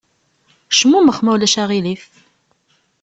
Cmumex ma ulac aɣilif!